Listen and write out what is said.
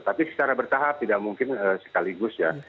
tapi secara bertahap tidak mungkin sekaligus ya